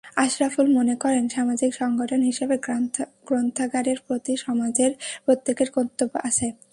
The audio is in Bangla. আশরাফুল মনে করেন, সামাজিক সংগঠন হিসেবে গ্রন্থাগারের প্রতি সমাজের প্রত্যেকের কর্তব্য আছে।